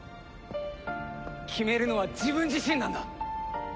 決めるのは自分自身なんだ！